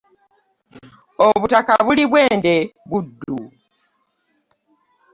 Obutaka buli Bwende Buddu.